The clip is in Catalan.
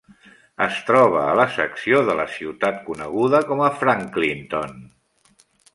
Es troba a la secció de la ciutat coneguda com a Franklinton.